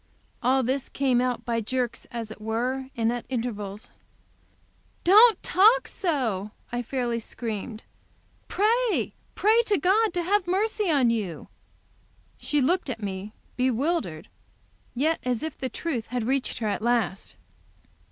All this came out by jerks, as it were, and at intervals. "Don't talk so!" I fairly screamed. "Pray, pray to God to have mercy on you!" She looked at me, bewildered, but yet as if the truth had reached her at last.